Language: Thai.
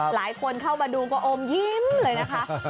หลายคนเข้ามาดูก็อมยิ้มเลยนะคะ